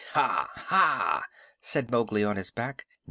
"Ha! Ha!" said Mowgli, on his back.